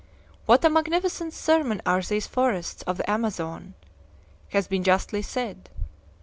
"What a magnificent sermon are these forests of the Amazon!" has been justly said.